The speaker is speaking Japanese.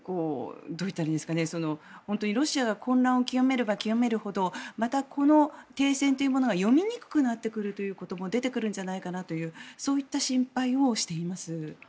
本当にロシアが混乱を極めれば極めるほどまたこの停戦というものが読みにくくなってくることも出てくるんじゃないかというそういった心配をしています。